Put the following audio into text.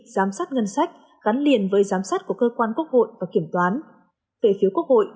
giám sát ngân sách gắn liền với giám sát của cơ quan quốc hội và kiểm toán về phiếu quốc hội